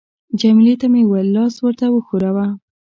جميله ته مې وویل: لاس ورته وښوروه.